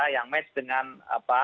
yang match dengan apa